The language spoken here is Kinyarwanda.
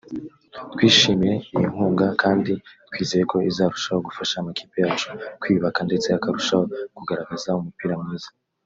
“Twishimiye iyi nkunga kandi twizeye ko izarushaho gufasha amakipe yacu kwiyubaka ndeste akarushaho kugaragaza umupira mwiza